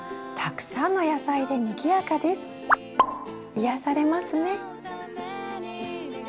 癒やされますね。